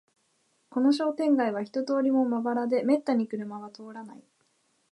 この商店街は人通りもまばらで、めったに車は通らない